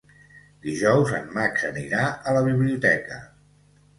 Dijous en Max anirà a la biblioteca.